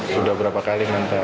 sudah berapa kali mengantar